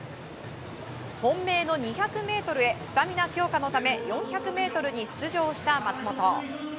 本命の２００ｍへスタミナ強化のため４００ｍに出場した松元。